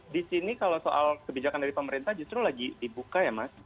di sini kalau soal kebijakan dari pemerintah justru lagi dibuka ya mas